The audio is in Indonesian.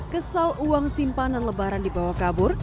kesal uang simpanan lebaran dibawa kabur